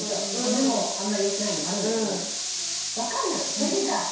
目もあんまりよくないのもあるんだけども。